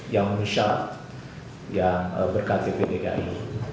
yang menyusah yang berktp dki